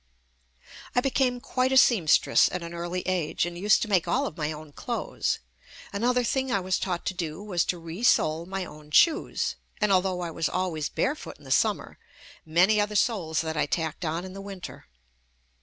I became quite a seamstress at an early age JUST ME and used to make all of my own clothes. An other thing I was taught to do was to re sole my own shoes, and although I was always bare foot in the summer many are the soles that I tacked on in the winter.